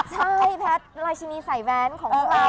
ใช่แพทย์รายชีวิตใส่แบนของของเรา